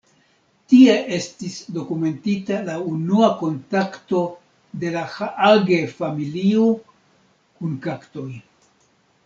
Tie estis dokumentita la unua kontakto de la Haage-familio kun kaktoj.